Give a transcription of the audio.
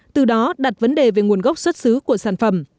từ đó đặt vấn đề về nguồn gốc xuất xứ của sản phẩm